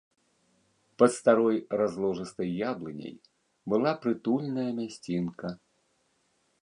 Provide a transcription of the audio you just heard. Пад старой разложыстай яблыняй была прытульная мясцінка.